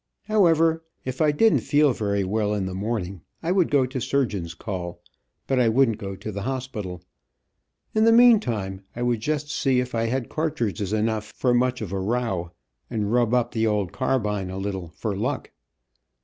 However, if I didn't feel very well in the morning, I would go to surgeon's call, but I wouldn't go to the hospital. In the meantime, I would just see if I had cartridges enough for much of a row, and rub up the old carbine a little, for luck.